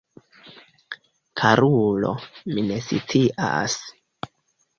Karulo, mi ne scias.